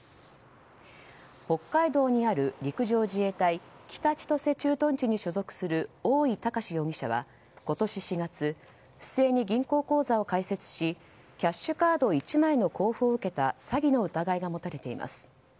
北海道にある、陸上自衛隊北千歳駐屯地に所属する大井崇容疑者は今年４月不正に銀行口座を開設しキャッシュカード１枚の交付を受けた詐欺の疑いが持たれています。